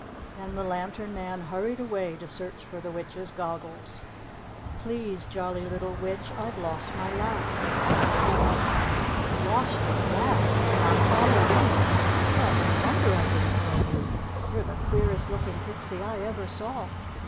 Then the lantern man hurried away to search for the witch's goggles. "Please, Jolly Little Witch, I've lost my laugh," said Twinkling Feet. "Lost your laugh! and on Hallowe'en! Well, no wonder I didn't know you. You're the queerest looking pixie I ever saw.